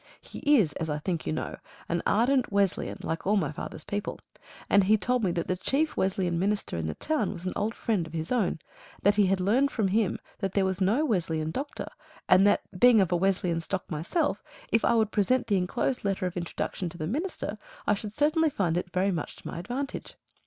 He is, as I think you know, an ardent Wesleyan, like all my father's people, and he told me that the chief Wesleyan minister in the town was an old friend of his own, that he had learned from him that there was no Wesleyan doctor, and that, being of a Wesleyan stock myself, if I would present the enclosed letter of introduction to the minister, I should certainly find it very much to my advantage.